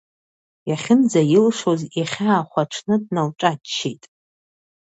Иахьынӡаилшоз ихьаа хәаҽны, дналҿаччеит.